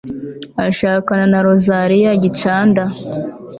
ashakana na rosaliya gicanda